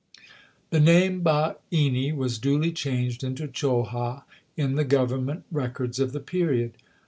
1 The name Bhaini was duly changed into Cholha in the government records of the period.